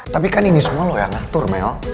tapi kan ini semua loh yang ngatur mel